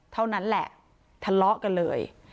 เท่านั้นแหละทะเลาะกันเลย